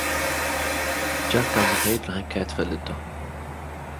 ጃክ ካብ ዝኸይድ፡ ረኺብካዮ ትፈልጥ'ዶ?